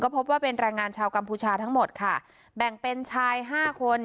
พบว่าเป็นแรงงานชาวกัมพูชาทั้งหมดค่ะแบ่งเป็นชายห้าคน